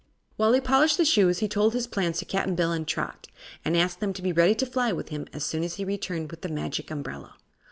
While he polished the shoes he told his plans to Cap'n Bill and Trot, and asked them to be ready to fly with him as soon as he returned with the Magic Umbrella.